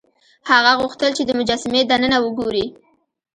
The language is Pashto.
هغه غوښتل چې د مجسمې دننه وګوري.